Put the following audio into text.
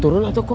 turun atuh kum